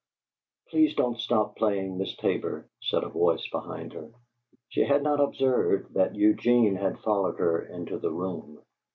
"Please don't stop playing, Miss Tabor," said a voice behind her. She had not observed that Eugene had followed her into the room.